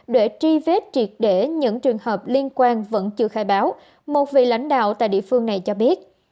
để truy vết triệt để những trường hợp liên quan vẫn chưa khai báo một vị lãnh đạo tại địa phương này cho biết